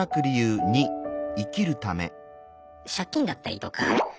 借金だったりとか失業